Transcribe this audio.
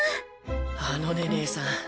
あのね義姉さん